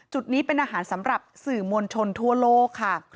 จุดนี้เป็นอาหารสำหรับสื่อมวลชนทั่วโลกค่ะ